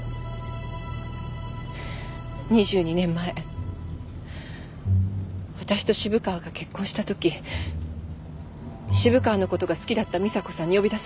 ２２年前私と渋川が結婚したとき渋川のことが好きだった美砂子さんに呼び出されて。